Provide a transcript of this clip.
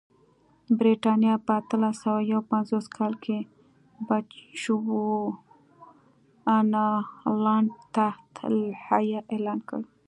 برېټانیا په اتلس سوه یو پنځوس کال کې بچوانالنډ تحت الحیه اعلان کړ.